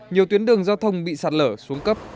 nhiều tuyến đường giao thông bị sạt lở xuống cấp